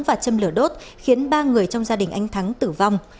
và châm lửa đốt khiến ba người trong gia đình anh thắng tử vong